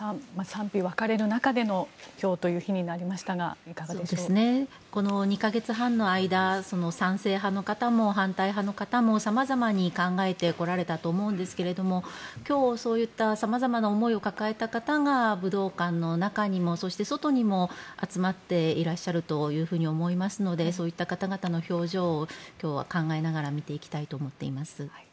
賛否分かれる中での今日という日になりましたがこの２か月半の間賛成派の方も反対派の方も様々に考えてこられたと思うんですけども今日、そういった様々な思いを抱えた方が武道館の中にもそして外にも集まっていらっしゃると思いますのでそういった方々の表情を今日は考えながら見ていきたいと思っています。